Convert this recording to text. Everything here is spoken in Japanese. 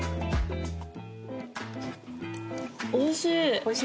おいしい！